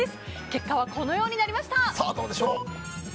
結果はこのようになりました。